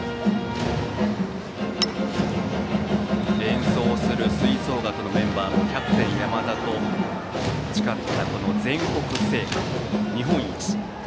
演奏する吹奏楽のメンバーもキャプテン山田と誓った全国制覇、日本一。